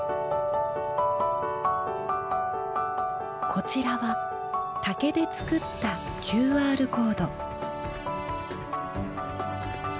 こちらは竹で作ったＱＲコード。